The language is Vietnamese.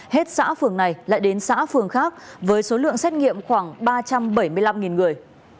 hết xã phường này lại đến xã phường khác với số lượng xét nghiệm khoảng ba trăm bảy mươi năm người